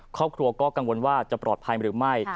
ครอบครัวก็กังวลว่าจะปลอดภัยหรือไม่